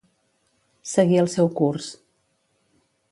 Seguir el seu curs.